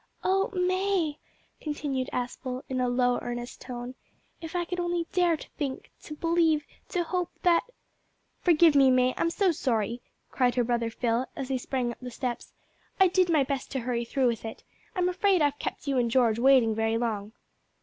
"Oh! May," continued Aspel, in a low, earnest tone; "if I could only dare to think, to believe, to hope, that " "Forgive me, May, I'm so sorry," cried her brother Phil, as he sprang up the steps; "I did my best to hurry through with it. I'm afraid I've kept you and George waiting very long."